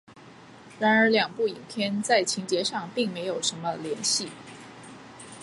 然而两部影片在情节上并没有什么联系。